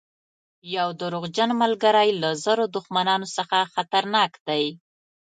یو دروغجن ملګری له زرو دښمنانو څخه خطرناک دی.